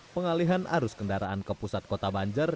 pengalihan arus kendaraan ke pusat kota banjar